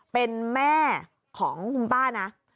เป็นแม่ของคุณป้านะ